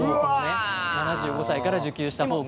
７５歳から受給したほうが。